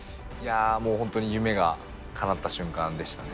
もう本当に夢がかなった瞬間でしたね。